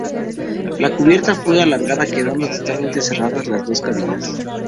La cubierta fue alargada, quedando totalmente cerradas las dos cabinas.